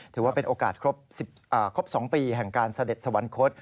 ถือว่าเป็นโอกาสครบ๒ปีแห่งการเสด็จสวรรคต